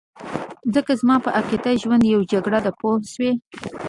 ځکه زما په عقیده ژوند یو جګړه ده پوه شوې!.